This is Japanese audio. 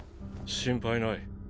心配ない。